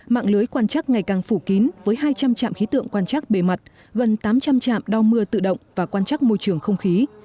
mạng lưới quan trắc ngày càng phủ kín với hai trăm linh trạm khí tượng quan trắc bề mặt gần tám trăm linh trạm đo mưa tự động và quan trắc môi trường không khí